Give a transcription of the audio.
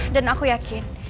dan aku yakin